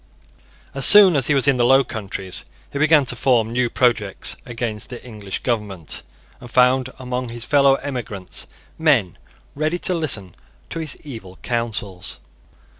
As soon as he was in the Low Countries he began to form new projects against the English government, and found among his fellow emigrants men ready to listen to his evil counsels.